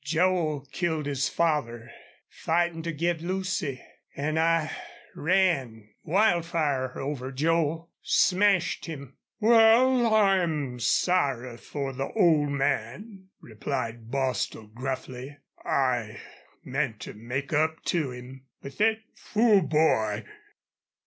Joel killed his father, fightin' to get Lucy.... An' I ran Wildfire over Joel smashed him!" "Wal, I'm sorry for the old man," replied Bostil, gruffly. "I meant to make up to him.... But thet fool boy!